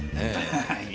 はい？